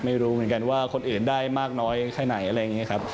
ไม่รู้เหมือนกันว่าคนอื่นได้มากน้อยแค่ไหนอะไรอย่างนี้ครับ